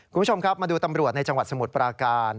คุณผู้ชมครับมาดูตำรวจในจังหวัดสมุทรปราการ